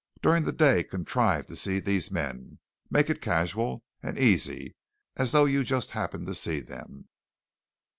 "During the day contrive to see these men. Make it casual and easy, as though you just happened to see them.